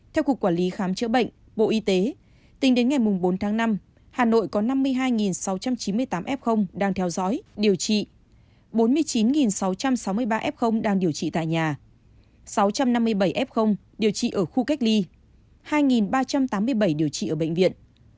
theo cục quản lý khám chữa bệnh bộ y tế tính đến ngày bốn tháng năm hà nội có năm mươi hai sáu trăm chín mươi tám f đang theo dõi điều trị bốn mươi chín sáu trăm sáu mươi ba f đang điều trị tại nhà sáu trăm năm mươi bảy f điều trị ở khu cách ly hai ba trăm tám mươi bảy điều trị ở bệnh viện